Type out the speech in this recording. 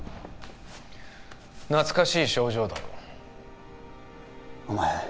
懐かしい症状だろお前